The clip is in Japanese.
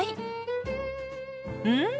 うん！